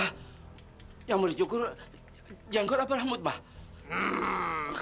mbak yang mau dicukur yang kau tapah rambut mbak